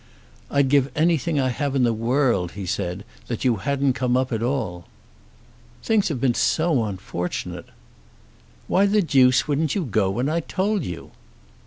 "I'd give anything I have in the world," he said, "that you hadn't come up at all." "Things have been so unfortunate!" "Why the deuce wouldn't you go when I told you?"